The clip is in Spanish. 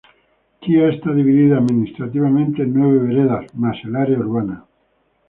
Chía está dividida administrativamente en nueve veredas, más el área urbana.